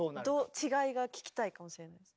違いが聴きたいかもしれないです。